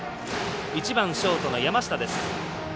１番、ショートの山下です。